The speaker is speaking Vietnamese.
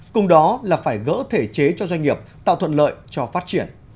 cùng đó là phải gỡ thể chế cho doanh nghiệp tạo thuận lợi cho phát triển